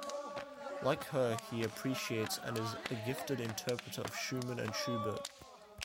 Like her, he appreciates and is a gifted interpreter of Schumann and Schubert.